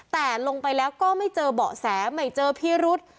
แต่ลงไปแล้วก็ไม่เจอเบาะแสไม่เจอพิรุษ